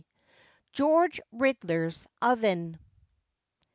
GEORGE RIDLER'S OVEN.